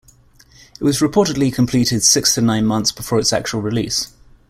It was reportedly completed six to nine months before its actual release.